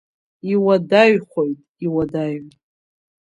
Иуадаҩхоит, иуадаҩ!